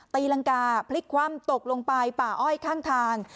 ตีรังกาพลิกคว่ำตกลงไปป่าอ้อยข้างทาง